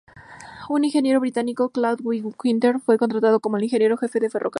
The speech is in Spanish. Un ingeniero británico, Claude W. Kinder, fue contratado como el ingeniero jefe del ferrocarril.